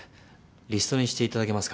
リストにしていただけますか？